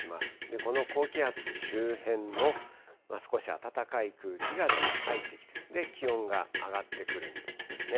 この高気圧周辺の少し暖かい空気がだんだん入ってきて、気温が上がってくるんですね。